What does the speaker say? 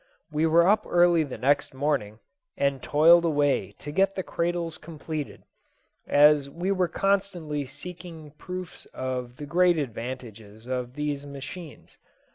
We were up early the next morning, and toiled away to get the cradles completed, as we were constantly seeing proofs of the great advantages of these machines.